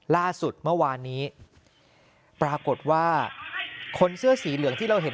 ล่าสุดเมื่อวานนี้ปรากฏว่าคนเสื้อสีเหลืองที่เราเห็น